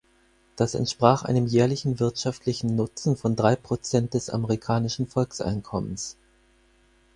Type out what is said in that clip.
Das entsprach einem jährlichen wirtschaftlichen Nutzen von drei Prozent des amerikanischen Volkseinkommens.